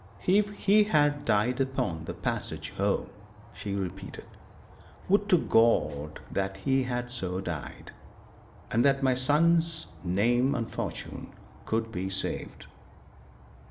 'If he had died upon the passage home!' she repeated. 'Would to God that he had so died, and that my son's name and fortune could be saved.'